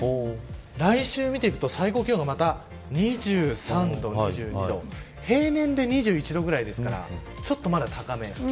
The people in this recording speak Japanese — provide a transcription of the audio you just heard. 来週を見ていくと最高気温がまた２３度、２２度平年で、２１度くらいですからちょっとまだ高め。